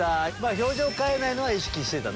表情変えないのは意識してた？